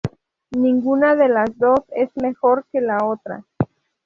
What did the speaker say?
Ninguna de las dos es mejor que la otra.